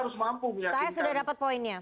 saya sudah dapat poinnya